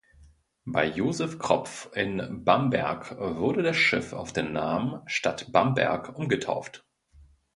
Bei Josef Kropf in Bamberg wurde das Schiff auf den Namen "Stadt Bamberg" umgetauft.